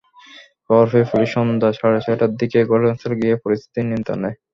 খবর পেয়ে পুলিশ সন্ধ্যা সাড়ে ছয়টার দিকে ঘটনাস্থলে গিয়ে পরিস্থিতি নিয়ন্ত্রণে আনে।